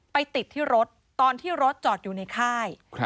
ไปติดที่รถตอนที่รถจอดอยู่ในค่าย